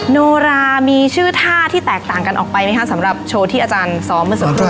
โนรามีชื่อท่าที่แตกต่างกันออกไปไหมคะสำหรับโชว์ที่อาจารย์ซ้อมเมื่อสักครู่